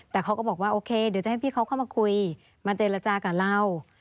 แต่เขาก็บอกว่าโอเคเดี๋ยวจะให้พี่เขาเข้ามาคุยมาเจรจากับเรา